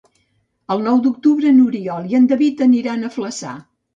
El nou d'octubre n'Oriol i en David aniran a Flaçà.